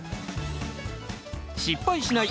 失敗しない！